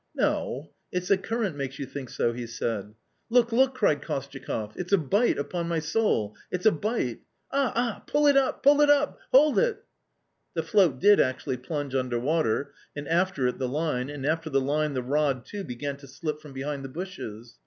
" No, it's the current makes you think so," he said. " Look, look !" cried Kostyakoff; " it's a bite, upon my soul, it's a bite. Ah, ah ! pull it up, pull it up ! hold it !" The float did actually plunge under water, and after it the line, and after the line the rod too began to slip from behind the bushes.